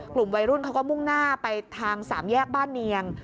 กลุ่มวัยรุ่นเขาก็มุ่งหน้าไปทางสามแยกบ้านเนียง